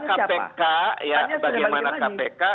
kpk ya bagaimana kpk